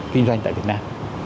kinh doanh tại việt nam